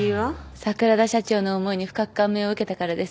桜田社長の思いに深く感銘を受けたからです。